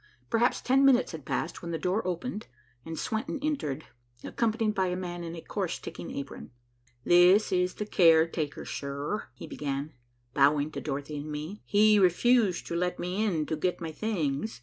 Perhaps ten minutes had passed, when the door opened, and Swenton entered, accompanied by a man in a coarse ticking apron. "This is the caretaker, sir," he began, bowing to Dorothy and me. "He refused to let me in to get my things.